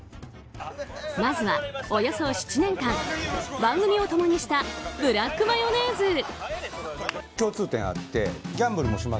まずは、およそ７年間番組を共にしたブラックマヨネーズ。